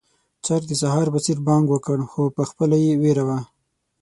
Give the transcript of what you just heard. چرګ د سهار په څېر بانګ وکړ، خو پخپله يې وېره وه.